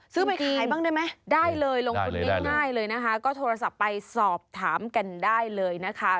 ไปขายบ้างได้ไหมได้เลยลงทุนง่ายเลยนะคะก็โทรศัพท์ไปสอบถามกันได้เลยนะคะ